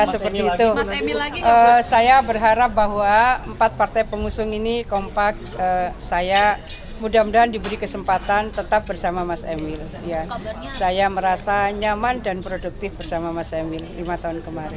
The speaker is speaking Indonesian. saya mudah mudahan diberi kesempatan tetap bersama mas emil saya merasa nyaman dan produktif bersama mas emil lima tahun kemarin